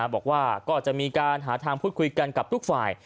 บอกว่าก็จะมีการหาทางพูดคุยกันกับทุกฝ่าย